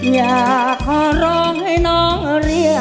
อยากขอร้องให้น้องเรียก